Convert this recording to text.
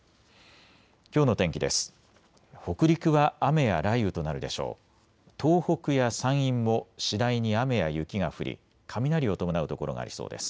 きょうの天気です。